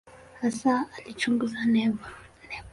Hasa alichunguza neva.